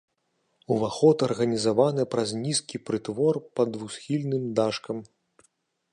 Уваход арганізаваны праз нізкі прытвор пад двухсхільным дашкам.